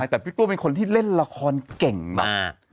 แต่พี่ตัวเป็นคนที่เล่นละครเก่งมาก